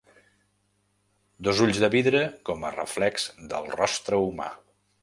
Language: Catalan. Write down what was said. Dos ulls de vidre com a reflex del rostre humà.